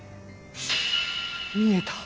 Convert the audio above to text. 見えた！